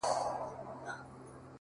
زموږه دوو زړونه دي تل د محبت مخته وي _